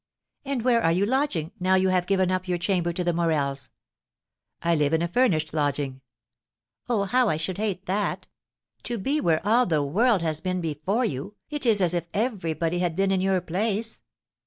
"And where are you lodging, now you have given up your chamber to the Morels?" "I live in a furnished lodging." "Oh, how I should hate that! To be where all the world has been before you, it is as if everybody had been in your place."